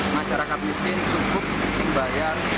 masyarakat miskin cukup membayar rp lima ratus